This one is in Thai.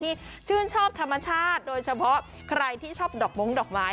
ที่ชื่นชอบธรรมชาติโดยเฉพาะใครที่ชอบดอกม้งดอกไม้